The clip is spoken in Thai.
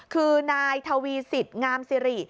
คือนายทวีสิตงามสิริ